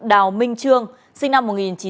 đào minh trương sinh năm một nghìn chín trăm tám mươi